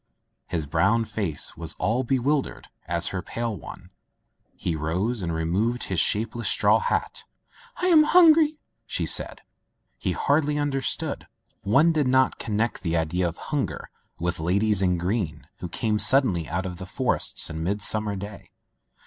His brown face was as bewildered as her pale one. He rose and removed his shapeless straw hat. "I am hungry/' said she. He hardly understood. One did not con nect the idea of hunger with ladies in green who came suddenly out of forests on mid summer day.